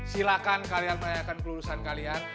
silakan kalian melayakan kelulusan kalian